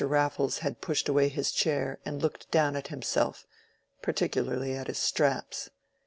Raffles had pushed away his chair and looked down at himself, particularly at his straps.